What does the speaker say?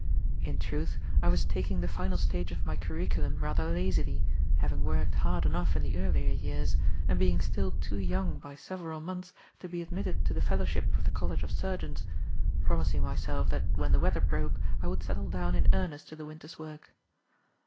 In truth, I was taking the final stage of my curriculum rather lazily, having worked hard enough in the earlier years, and being still too young by several months to be admitted to the fellowship of the College of Surgeons; promising myself that when the weather broke I would settle down in earnest to the winter's work.